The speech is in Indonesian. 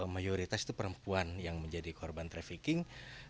mayoritas itu perempuan yang menjadi korban trafficking